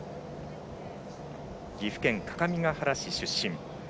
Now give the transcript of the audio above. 岐阜県各務原市出身。